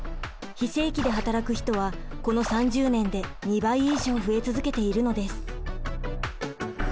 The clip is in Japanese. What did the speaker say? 非正規で働く人はこの３０年で２倍以上増え続けているのです。